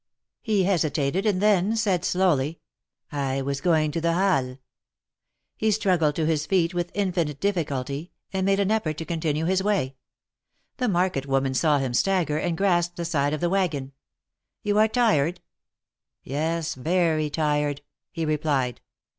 He hesitated, and then said, slowly: I was going to the Halles." He struggled to his feet with infinite difficulty, and made an effort to continue his way. The market woman saw him stagger, and grasp the side of the wagon. You are tired ?" Yes, very tired," he replied.